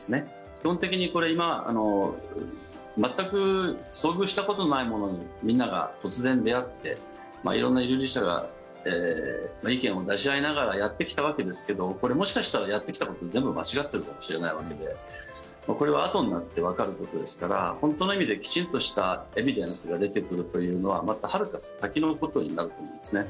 基本的にこれ、今全く遭遇したことのないものにみんなが突然出合って色んな従事者が意見を出し合いながらやってきたわけですけどこれ、もしかしたらやってきたこと全部間違ってるかもしれないわけでこれはあとになってわかることですから本当の意味できちんとしたエビデンスが出てくるというのははるか先のことになると思うんですね。